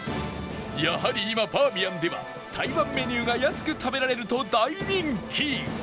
やはり今バーミヤンでは台湾メニューが安く食べられると大人気